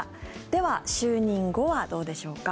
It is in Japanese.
では、就任後はどうでしょうか。